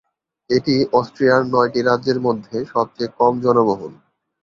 এটি অস্ট্রিয়ার নয়টি রাজ্যের মধ্যে সবচেয়ে কম জনবহুল।